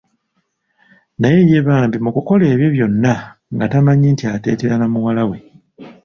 Naye ye bambi mu kukola ebyo byonna nga tamanyi nti ateetera na muwalawe.